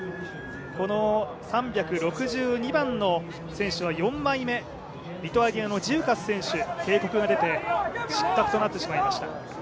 この３６２番の選手は４枚目、リトアニアの選手、警告が出て失格となってしまいました。